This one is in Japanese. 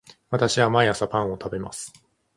私は毎朝パンを食べます